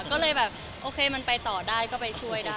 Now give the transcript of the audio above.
ก็เลยแบบโอเคมันไปต่อได้ก็ไปช่วยได้